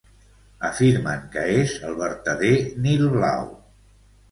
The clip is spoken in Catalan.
Afirmen que és el vertader Nil Blau.